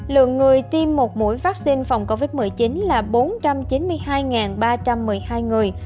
lượng người tiêm một mũi vaccine phòng covid một mươi chín là bốn trăm chín mươi hai ba trăm một mươi hai người